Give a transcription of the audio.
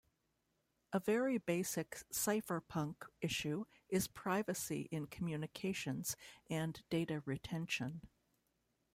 A very basic cypherpunk issue is privacy in communications and data retention.